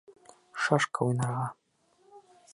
Шашка уйнарға.